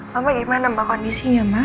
mama gimana mah kondisinya ma